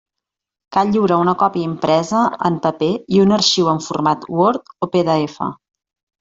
Cal lliurar una còpia impresa en paper i un arxiu en format Word o PDF.